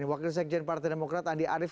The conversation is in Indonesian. wakil sekjen partai demokrat andi arief